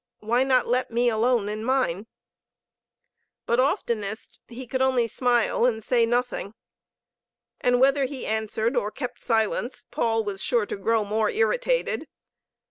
Why not let me alone in mine?" But oftenest he could only smile and say nothing. And whether he answered or kept silence, Paul was sure to grow more irritated.